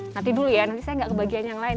nanti dulu ya nanti saya nggak kebagian yang lain